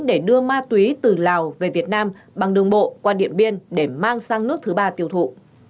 để đưa ma túy từ lào về việt nam bằng đường bộ qua điện biên để mang sang nước thứ ba tiêu thụ